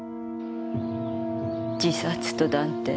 自殺と断定？